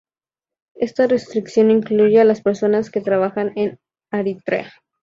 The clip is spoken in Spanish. Esta restricción incluye a las personas que trabajan en Eritrea.